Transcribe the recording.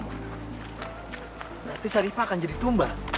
nanti saripah akan jadi tumba